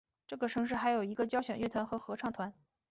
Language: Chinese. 这个城市还有一个交响乐团和合唱团。